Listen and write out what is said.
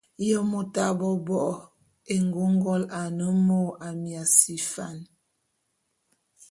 Ye môt a bo a bo'ok éngôngol ane mô Amiasi Fan?